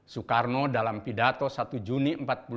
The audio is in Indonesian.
soekarno dalam pidato satu juni seribu sembilan ratus empat puluh lima